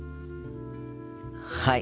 はい。